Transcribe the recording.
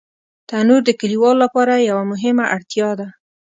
تنور د کلیوالو لپاره یوه مهمه اړتیا ده